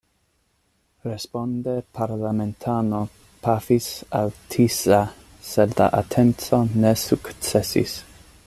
Responde parlamentano pafis al Tisza, sed la atenco ne sukcesis.